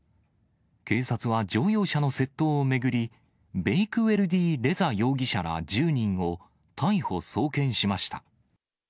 警察は乗用車の窃盗を巡り、ベイクウェルディ・レザ容疑者ら、１０人を逮捕・送検しました。